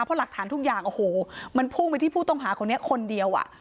เพราะหลักฐานทุกอย่างโอ้โหมันพุ่งไปที่ผู้ต้องหาคนนี้คนเดียวอ่ะ